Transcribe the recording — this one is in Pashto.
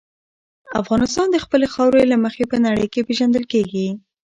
افغانستان د خپلې خاورې له مخې په نړۍ کې پېژندل کېږي.